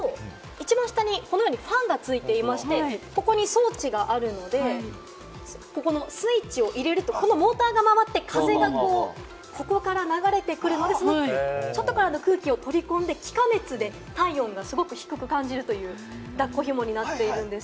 一番下にこのようにファンがついてまして、ここに装置があるので、ここのスイッチを入れると、このモーターが回って風がここから流れてくるので、外からの空気を取り込んで、気化熱で体温がすごく低く感じるという抱っこひもになってるんです。